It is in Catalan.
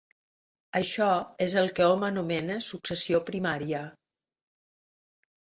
Això és el que hom anomena successió primària.